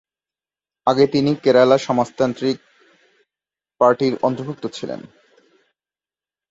আগে তিনি কেরালা সমাজতান্ত্রিক পার্টির অন্তর্ভুক্ত ছিলেন।